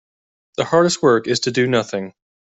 The hardest work is to do nothing.